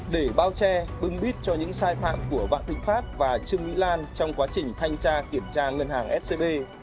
để bao che bưng bít cho những sai phạm của vạn thịnh pháp và trương mỹ lan trong quá trình thanh tra kiểm tra ngân hàng scb